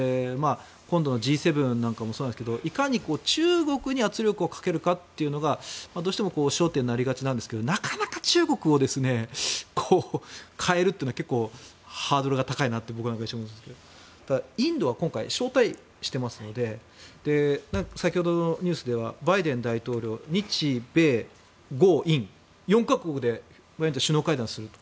今度のＧ７なんかもいかに中国に圧力をかけるかというのがどうしても焦点になりがちなんですけどなかなか中国を変えるというのはハードルが高いなと思うんですがインドは今回、招待してますので先ほどのニュースではバイデン大統領日米豪印の４か国で首脳会談すると。